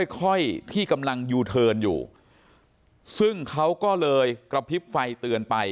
ค่อยที่กำลังยูเทิร์นอยู่ซึ่งเขาก็เลยกระพริบไฟเตือนไป